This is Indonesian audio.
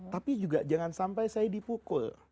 tapi juga jangan sampai saya dipukul